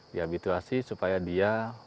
dihabituasi supaya dia